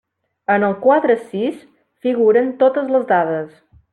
En el quadre sis figuren totes les dades.